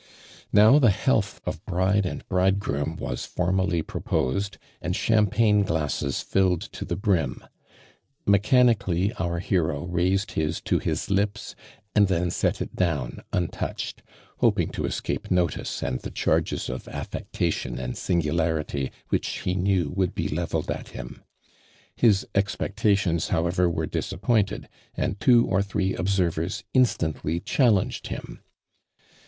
Now the health of bride and bridegroom was formally proposed, and champagne glasses tilled to the brim. Mechanically our hero raisetl his to his lips and then set it down untouclied, hoping to escape notice and the charges of affectation and singu larity which he knew would be levelled at him. His expectations however were dis appointed, and two or three observers in stantly challenged him.